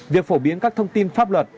việc phổ biến các thông tin pháp luật